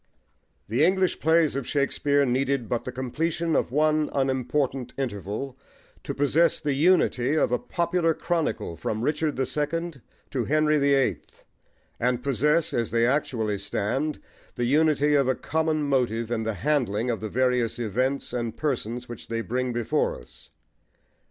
THE English plays of Shakespeare needed but the completion of one unimportant interval to possess the unity of a popular chronicle from Richard the Second to Henry the Eighth, and possess, as they actually stand, the unity of a common motive in the handling of the various events and persons which they bring before us.